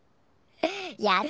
いや